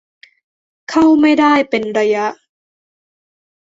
เข้าไม่ได้เป็นระยะ